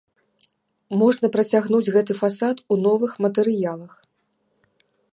Можна працягнуць гэты фасад у новых матэрыялах.